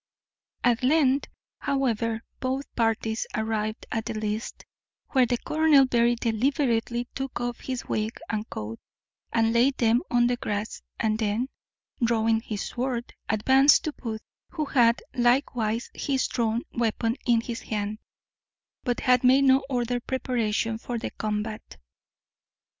_] At length, however, both parties arrived at the lists, where the colonel very deliberately took off his wig and coat, and laid them on the grass, and then, drawing his sword, advanced to Booth, who had likewise his drawn weapon in his hand, but had made no other preparation for the combat.